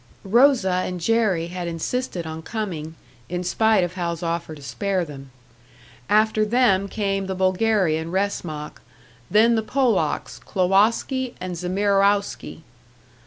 Rosa and Jerry had insisted on coming, in spite of Hal's offer to spare them. After them came the Bulgarian, Wresmak; then the Polacks, Klowoski and Zamierowski.